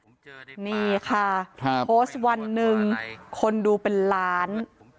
นี่ค่ะโพสต์วันหนึ่งคนดูเป็นล้าน